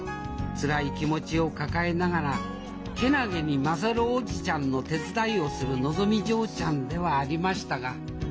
つらい気持ちを抱えながらけなげに優叔父ちゃんの手伝いをするのぞみ嬢ちゃんではありましたが。